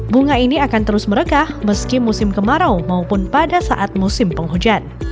bunga ini akan terus merekah meski musim kemarau maupun pada saat musim penghujan